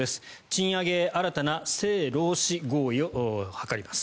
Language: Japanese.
賃上げへ新たな政労使合意を図ります。